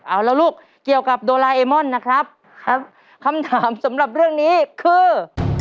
เอาแล้วลูกเกี่ยวกับโดราเอมอนนะครับครับคำถามสำหรับเรื่องนี้คือ